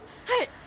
はい！